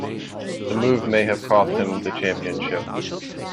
The move may have cost him the championship.